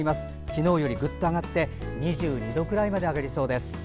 昨日よりぐっと上がって２２度くらいまで上がりそうです。